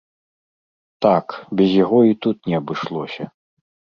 Так, без яго і тут не абышлося.